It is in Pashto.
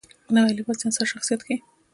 نوی لباس د انسان شخصیت ښیي